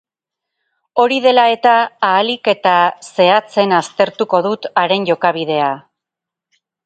Hori dela eta, ahalik eta zehatzen aztertuko dut haren jokabidea.